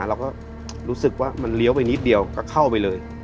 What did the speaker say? เราก็รู้สึกว่ามันเลี้ยวไปนิดเดียวก็เข้าไปเลย